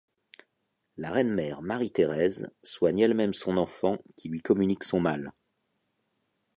La reine-mère Marie-Thérèse, soigne elle-même son enfant qui lui communique son mal.